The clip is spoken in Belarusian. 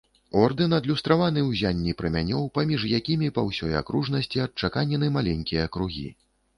Ордэн адлюстраваны ў ззянні прамянёў, паміж якімі па ўсёй акружнасці адчаканены маленькія кругі.